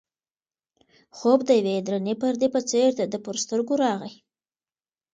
خوب د یوې درنې پردې په څېر د ده پر سترګو راغی.